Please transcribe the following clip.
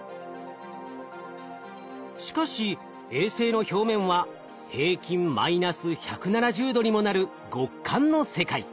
しかし衛星の表面は平均マイナス１７０℃にもなる極寒の世界。